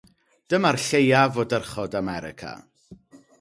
Dyma'r lleiaf o dyrchod America.